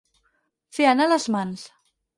Fer anar les mans.